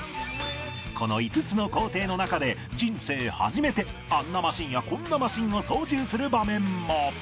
この５つの工程の中で人生初めてあんなマシンやこんなマシンを操縦する場面も